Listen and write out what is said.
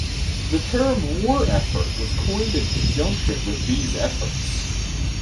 The term "war effort" was coined in conjunction with these efforts.